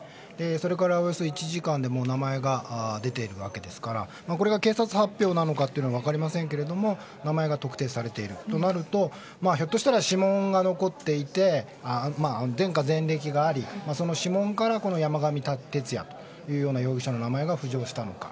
それから、およそ１時間でもう名前が出ているわけですからこれは警察発表なのかというのは分かりませんが名前が特定されているとなるとひょっとしたら指紋が残っていて前科、前歴があり、この指紋から山上徹也という容疑者の名前が浮上したのか。